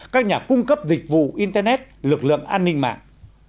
các nhà cung cấp dịch vụ internet lực lượng an ninh mạng